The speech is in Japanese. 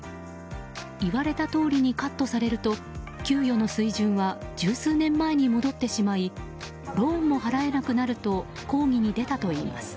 言われたとおりにカットされると給与の水準は十数年前に戻ってしまいローンも払えなくなると抗議に出たといいます。